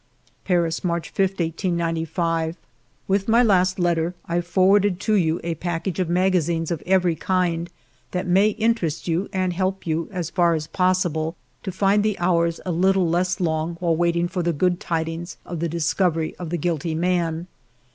"Paris, March 5, 1895. " With my last letter I forwarded to you a package of magazines of every kind, that may in 144 FIVE YEARS OF MY LIFE terest you and help you, as far as possible, to find the hours a little less long while waiting for the good tidings of the discovery of the guilty man.